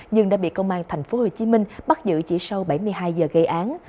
nhưng đã bị công an tp hcm bắt giữ chỉ sau bảy mươi hai giờ gây án